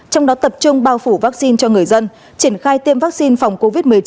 trong đó tập trung bao phủ vaccine cho người dân triển khai tiêm vaccine phòng covid một mươi chín